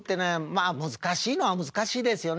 まあ難しいのは難しいですよね。